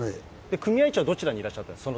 組合長はどちらにいらっしゃったんですか？